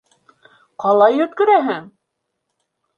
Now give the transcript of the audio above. - Ҡалай йүткерәһең!